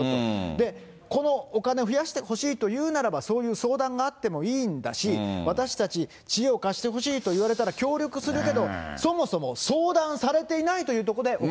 で、このお金を増やしてほしいというならば、そういう相談があってもいいんだし、私たち、知恵を貸してほしいと言われたら協力するけど、そもそも相談されていないというところで。